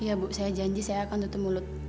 iya bu saya janji saya akan tutup mulut